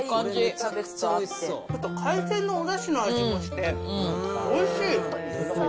ちょっと海鮮のおだしの味もして、おいしい。